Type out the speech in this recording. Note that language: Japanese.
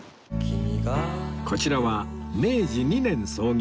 こちらは明治２年創業